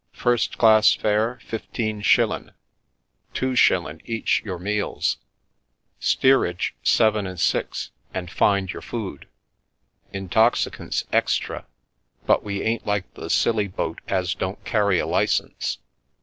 First class fare fifteen shillin', two shillin' each your meals. Steerage, seven and six, and find your food. Intoxicants extra, but we ain't like the Scilly boat as don't carry a licence.